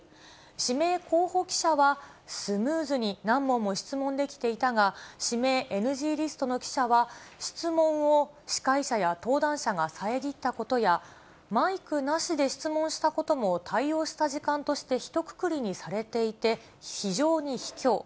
指名候補記者はスムーズに何問も質問できていたが、指名ＮＧリストの記者は、質問を司会者や登壇者が遮ったことや、マイクなしで質問したことも対応した時間としてひとくくりにされていて、非常にひきょう。